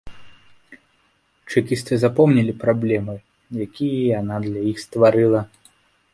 Чэкісты запомнілі праблемы, якія яна для іх стварыла.